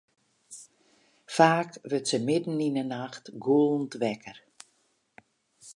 Faak wurdt se midden yn 'e nacht gûlend wekker.